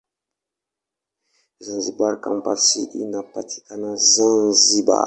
Zanzibar Kampasi inapatikana Zanzibar.